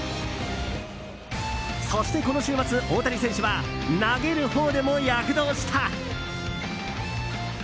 そしてこの週末、大谷選手は投げるほうでも躍動した。